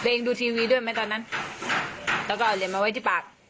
อ๋อเดี๋ยวเองดูทีวีด้วยมั้ยตอนนั้นแล้วก็เอาเหรียญมาไว้ที่ปาก